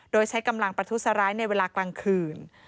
โดยใช้กำลังประทุษร้ายในเวลากลางคืน